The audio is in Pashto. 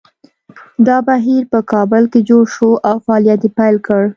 دا بهیر په کابل کې جوړ شو او فعالیت یې پیل کړ